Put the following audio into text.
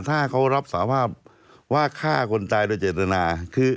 ถ้าเขารับสาภาพว่าฆ่าคนตายโดยเจตนาคือ